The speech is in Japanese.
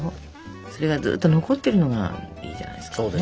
それがずっと残ってるのがいいじゃないですかね。